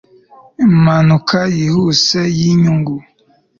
Impanuka yihuse yinyungu